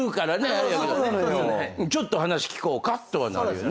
あれやけどちょっと話聞こうか？とはなるよね。